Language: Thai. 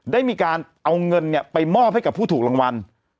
ได้มีการเอาเงินไปมอบให้กับผู้ถูกรางวัล